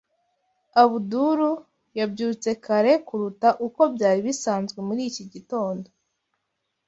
Abdul yabyutse kare kuruta uko byari bisanzwe muri iki gitondo.